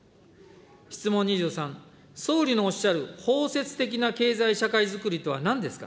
質問２３、総理のおっしゃる包摂的な経済社会づくりとはなんですか。